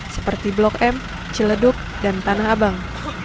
seperti blok m ciledug dan tanah abang